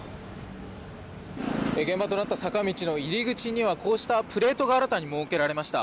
現場となった坂道の入り口にはこうしたプレートが新たに設けられました。